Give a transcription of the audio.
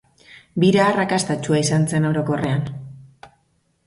Bira arrakastatsua izan zen orokorrean.